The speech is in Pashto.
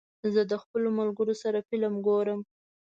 زه د خپلو ملګرو سره فلم ګورم.